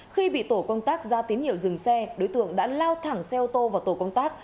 khi bị tổ công tác ra tín hiệu dừng xe đối tượng đã lao thẳng xe ô tô vào tổ công tác